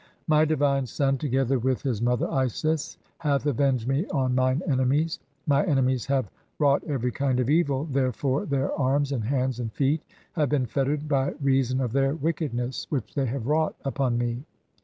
My divine son, together with "his mother Isis, hath avenged me on mine enemies. (3) My "enemies have wrought every [kind of] evil, therefore their arms, "and hands, and feet, have been fettered by reason of their wicked "ness which they have wrought (4) upon me.